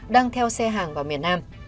đang theo xe hàng vào miền nam